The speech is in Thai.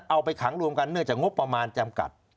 เอาไปขังรวมกันเนื่องจากงบประมาณจำกัด